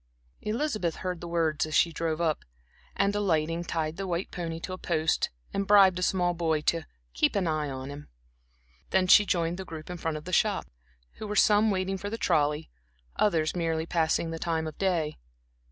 Elizabeth heard the words as she drove up, and, alighting tied the white pony to a post and bribed a small boy to "keep an eye" on him. Then she joined the group in front of the shop, who were some waiting for the trolley, others merely passing the time of day.